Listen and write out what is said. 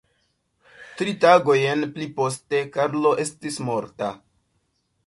Tri tagojn pli poste Karlo estis morta.